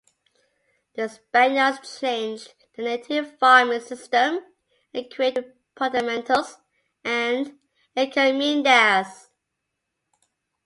The Spaniards changed the native farming system and created Repartimientos and Encomiendas.